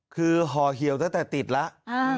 คือห่อเหี่ยวตั้งแต่ติดแล้ว